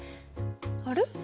あれ？